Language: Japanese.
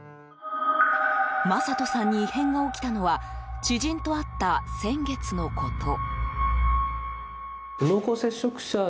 マサトさんに異変が起きたのは知人と会った先月のこと。